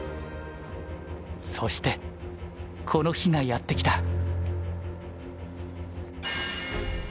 そしてこの日がやって来た。